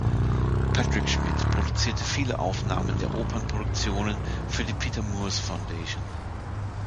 Patric Schmid produzierte viele Aufnahmen der Opernproduktionen für die „Peter Moores Foundation“.